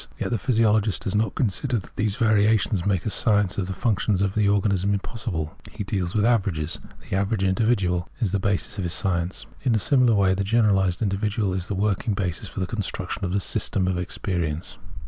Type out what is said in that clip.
Yet the physiologist does not consider that these variations make a science of the functions of the organism impossible. He deals with ' averages ;' the ' average individual ' is the basis of his science. In a similar way the generalised individual is the working basis for the construction of the ' system of experience.'